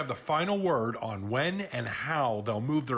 tetapi pemerintah memiliki kata kata terakhir